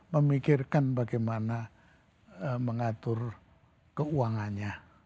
memikirkan bagaimana mengatur keuangannya